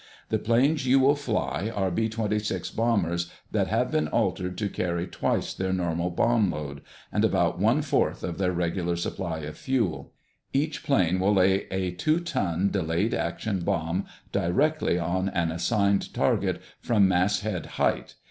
The planes you will fly are B 26 bombers that have been altered to carry twice their normal bomb load, and about one fourth of their regular supply of fuel. Each plane will lay a two ton, delayed action bomb directly on an assigned target, from mast head height.